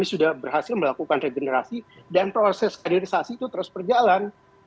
sudah berhasil melakukan regenerasi dan proses kaderisasi itu terus berjalan